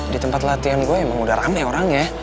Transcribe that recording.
di tempat latihan gue emang udah rame orangnya